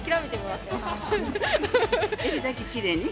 襟だけきれいに？